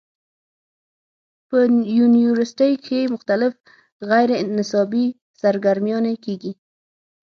پۀ يونيورسټۍ کښې مختلف غېر نصابي سرګرميانې کيږي